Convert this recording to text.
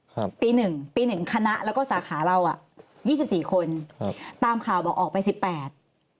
ครับปีหนึ่งปีหนึ่งคณะแล้วก็สาขาเราอ่ะยี่สิบสี่คนครับตามข่าวบอกออกไปสิบแปด